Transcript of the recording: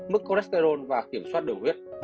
mức cholesterol và kiểm soát đường huyết